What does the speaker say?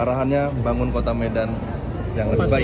arahannya bangun kota medan yang lebih baik